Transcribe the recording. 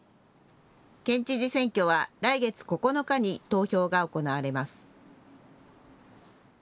県知事選挙は、来月９日に投票が行われます。